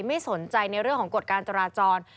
ไม่สนใจในเรื่องของกฎการจราจร